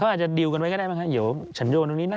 เขาอาจจะดิวกันไว้ก็ได้มั้งฮะเดี๋ยวฉันโยนตรงนี้นะ